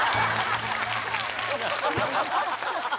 ハハハハ！